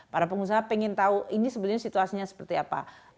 para pengusaha pengen tahu ini sebenarnya situasinya seperti apa